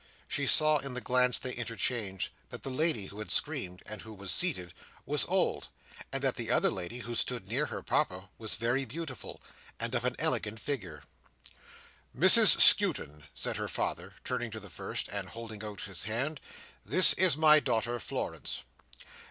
She saw in the glance they interchanged, that the lady who had screamed, and who was seated, was old; and that the other lady, who stood near her Papa, was very beautiful, and of an elegant figure. "Mrs Skewton," said her father, turning to the first, and holding out his hand, "this is my daughter Florence."